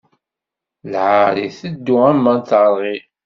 Lɛaṛ iteddu am teṛɣi.